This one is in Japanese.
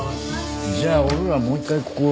じゃあ俺らはもう一回ここ行くか。